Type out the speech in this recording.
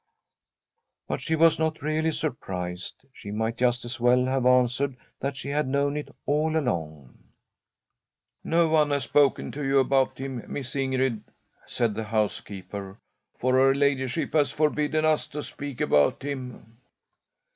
But she was not really surprised. She might just as well have answered that she had known it all along. ' No one has spoken to you about him. Miss Ingrid,' said the housekeeper, * for her ladyship has forbidden us to speak about him.'